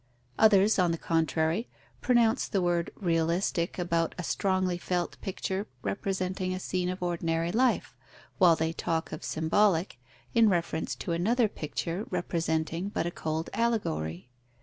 Others, on the contrary, pronounce the word realistic about a strongly felt picture representing a scene of ordinary life, while they talk of symbolic in reference to another picture representing but a cold allegory.